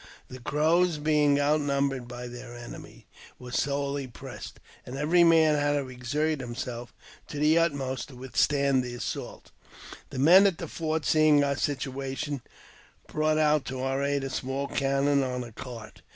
The Crows, being outnumbered by their enemies, were sorely pressed, and every man had to exert himself to the utmost to withstand the assault. The men at the fort, seeing our situa tion, brought out to our aid a small cannon on a cart.